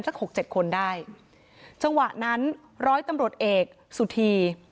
หกเจ็ดคนได้จังหวะนั้นร้อยตำรวจเอกสุธี